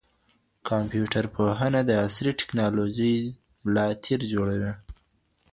کمپيوټر پوهنه د عصري ټکنالوژۍ ملا تیر جوړوي.